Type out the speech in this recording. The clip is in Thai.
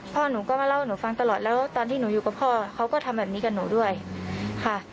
พ่อหนูก็มาเล่าให้หนูฟังตลอดแล้วตอนที่หนูอยู่กับพ่อเขาก็ทำแบบนี้กับหนูด้วยค่ะ